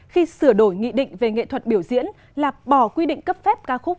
khi sửa đổi nghị định về nghệ thuật biểu diễn là bỏ quy định cấp phép ca khúc